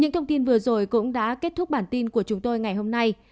những thông tin vừa rồi cũng đã kết thúc bản tin của chúng tôi ngày hôm nay